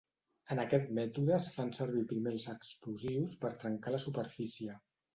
En aquest mètode es fan servir primer els explosius per trencar la superfície.